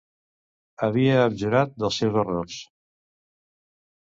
Havia abjurat dels seus errors.